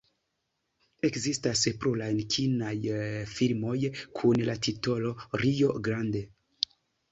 Ekzistas pluraj kinaj filmoj kun la titolo "Rio Grande".